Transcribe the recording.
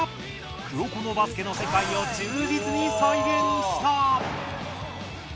「黒子のバスケ」の世界を忠実に再現した。